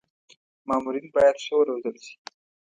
مامورین باید ښه و روزل شي.